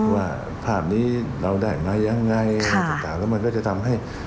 ว่าพรรณนี้เราได้มายังไงแล้วมันก็จะทำให้